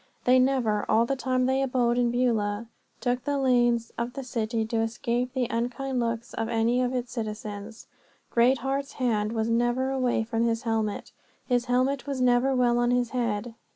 They never, all the time they abode in Beulah, took to the lanes of the city to escape the unkind looks of any of its citizens. Greatheart's hand was never away from his helmet. His helmet was never well on his head.